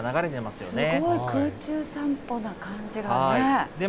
すごい空中散歩な感じがね。